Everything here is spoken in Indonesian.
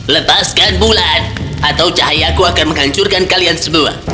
letaskan bulan atau cahayaku akan menghancurkan kalian semua